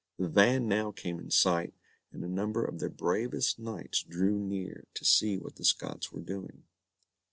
The van now came in sight, and a number of their bravest knights drew near to see what the Scots were doing.